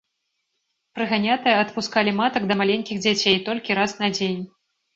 Прыганятыя адпускалі матак да маленькіх дзяцей толькі раз на дзень.